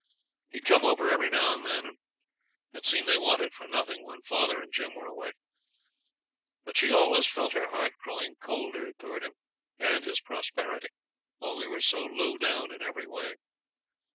He had come over every now and then, and had seen they wanted for nothing when father and Jim were away; but she always felt her heart growing colder towards him and his prosperity while we were so low down in every way.